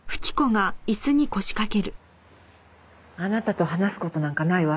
あなたと話す事なんかないわ。